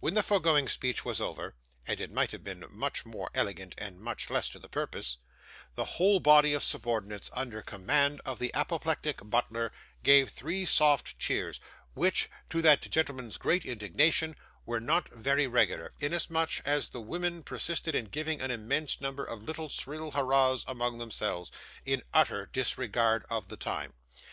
When the foregoing speech was over and it might have been much more elegant and much less to the purpose the whole body of subordinates under command of the apoplectic butler gave three soft cheers; which, to that gentleman's great indignation, were not very regular, inasmuch as the women persisted in giving an immense number of little shrill hurrahs among themselves, in utter disregard of the time.